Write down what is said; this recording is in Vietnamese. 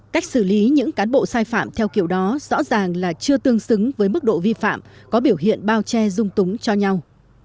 cách xử lý những cán bộ sai phạm theo kiểu đó rõ ràng là chưa tương xứng với mức độ vi phạm có biểu hiện bao che dung túng cho nhau